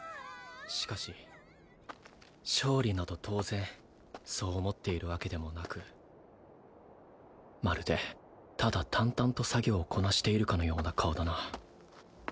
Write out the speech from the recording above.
しかし勝利など当然そう思っているわけでもなくまるでただ淡々と作業をこなしているかのような顔だな